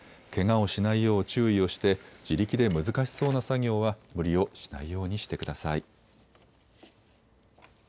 けがをしないよう注意をして自力で難しそうな作業は無理をしないようにしてください。